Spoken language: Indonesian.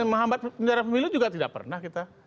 menghambat penyelenggaran pemilu juga tidak pernah